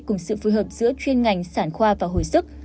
cùng sự phối hợp giữa chuyên ngành sản khoa và hồi sức